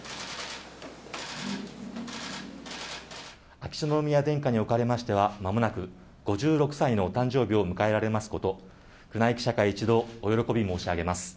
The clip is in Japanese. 秋篠宮殿下におかれましては、まもなく５６歳のお誕生日を迎えられますこと、宮内記者会一同、お喜び申し上げます。